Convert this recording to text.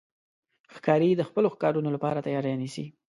ښکاري د خپلو ښکارونو لپاره تیاری نیسي.